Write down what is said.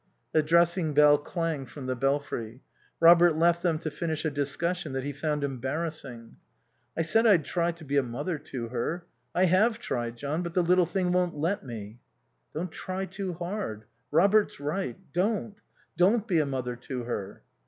The dressing bell clanged from the belfry. Robert left them to finish a discussion that he found embarrassing. "I said I'd try to be a mother to her. I have tried, John; but the little thing won't let me." "Don't try too hard. Robert's right. Don't don't be a mother to her."